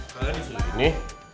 kalian bisa begini